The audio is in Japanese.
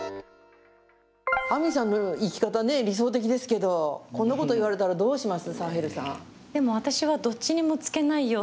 あみさんのような生き方、理想的ですけど、こんなこと言われたらどうします？